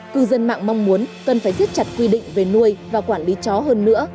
cư dân mạng mong muốn cần phải thiết chặt quy định về nuôi và quản lý chó hơn nữa